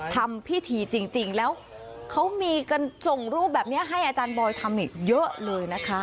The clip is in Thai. ทำพิธีจริงแล้วเขามีการส่งรูปแบบนี้ให้อาจารย์บอยทำอีกเยอะเลยนะคะ